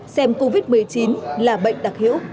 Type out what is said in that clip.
xem covid một mươi chín là bệnh đặc hiểu